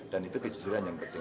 dan itu kejujuran yang penting